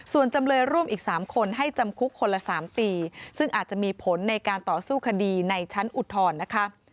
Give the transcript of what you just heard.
ส่วนจำเลยร่วมอีก๓คนให้จำคุกคนละ๓ปีซึ่งอาจจะมีผลในการต่อสู้คดีในชั้นอุทธรณ์นะคะ